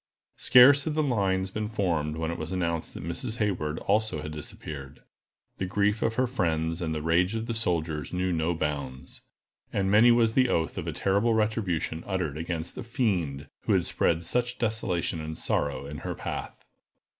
Scarce had the lines been formed when it was announced that Miss Hayward also had disappeared. The grief of her friends, and the rage of the soldiers knew no bounds, and many was the oath of a terrible retribution uttered against the fiend who had spread such desolation and sorrow in her path.